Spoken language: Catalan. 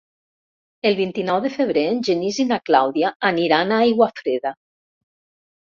El vint-i-nou de febrer en Genís i na Clàudia aniran a Aiguafreda.